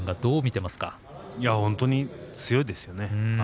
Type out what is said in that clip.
いや本当に強いですよね。